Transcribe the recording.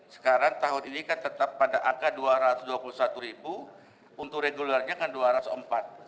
sekarang tahun ini kan tetap pada angka rp dua ratus dua puluh satu untuk regularnya kan dua ratus empat